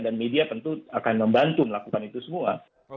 dan media tentu akan membantu melakukan itu semua